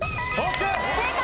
正解！